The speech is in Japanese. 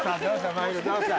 まひるどうした？